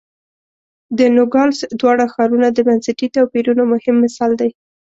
د نوګالس دواړه ښارونه د بنسټي توپیرونو مهم مثال دی.